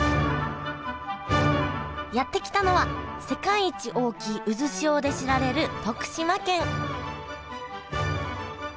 やって来たのは世界一大きい渦潮で知られる徳島県